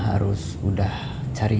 kalau udah begini